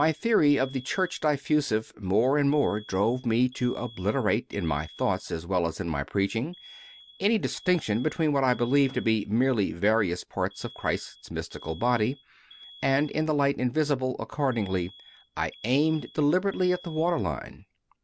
My theory of the Church Diffusive more and more drove me to oblit erate, in my thoughts as well as m my preaching, any distinction between what I believed to be merely various parts of Christ s mystical Body, and in the "Light Invisible," accordingly, I aimed deliberately at the water line.